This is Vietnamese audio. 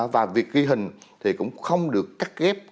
và việc ghi hình thì cũng không được cắt ghép